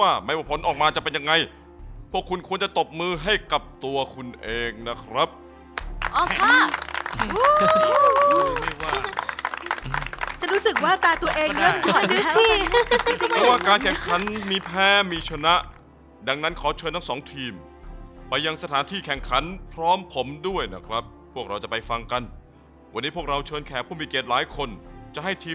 เอาออกมาครับพวกคุณจะต้องเอามาคลุกกันอีกน้ำเครื่องปรุงทุกอย่างน้ำซอสมาคลุกกันให้ดี